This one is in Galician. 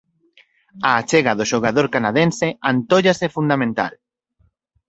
A achega do xogador canadense antóllase fundamental.